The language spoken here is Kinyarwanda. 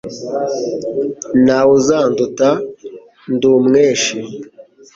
Nta we uzanduta ndi umweshi,